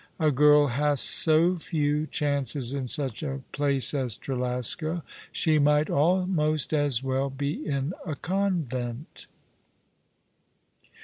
A girl has so few chances in such a place as Trelasco. She might almost as well be in a convent."